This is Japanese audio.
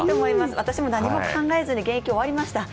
私も何も考えずに現役を終わりました。